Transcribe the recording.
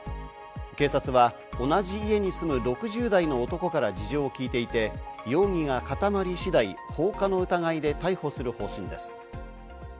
警察は同じ家に住む６０代の男から事情を聞いていて、容疑が固まり次第、放火の疑いで逮捕する方針です。